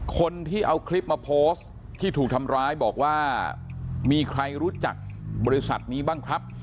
คนที่เอาคลิปมาโพสต์ที่ถูกทำร้ายบอกว่ามีใครรู้จักบริษัทนี้บ้างครับ